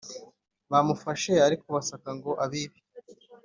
bamufashe arikubasaka ngo abibe